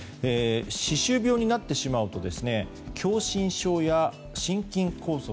歯周病になってしまうと狭心症や心筋梗塞